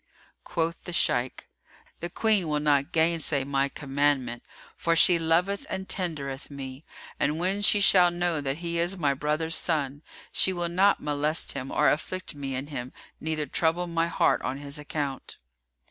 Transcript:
Quoth the Shaykh, "The Queen will not gainsay my commandment, for she loveth and tendereth me; and when she shall know that he is my brother's son, she will not molest him or afflict me in him neither trouble my heart on his account."